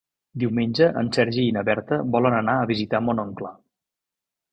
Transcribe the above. Diumenge en Sergi i na Berta volen anar a visitar mon oncle.